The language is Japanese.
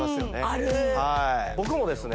ある僕もですね